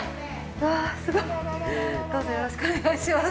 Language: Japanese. うわっ、すごい。どうぞよろしくお願いします。